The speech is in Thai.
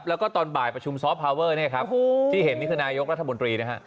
แล้วก็ตอนบ่ายประชุมซอฟต์พาเวอร์เนี่ยครับที่เห็นนี่คือนายกรัฐมนตรีนะฮะ